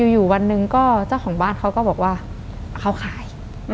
อยู่วันหนึ่งก็เจ้าของบ้านเขาก็บอกว่าเขาขาย